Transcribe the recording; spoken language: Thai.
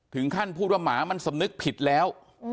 ถึงขั้นพูดว่าหมามันสำนึกผิดแล้ว